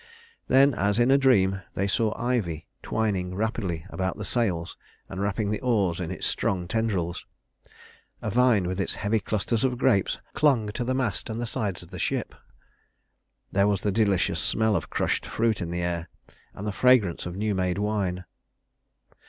Then, as in a dream, they saw ivy twining rapidly about the sails, and wrapping the oars in its strong tendrils. A vine with its heavy clusters of grapes clung to the mast and the sides of the ship. There was the delicious smell of crushed fruit in the air, and the fragrance of new made wine.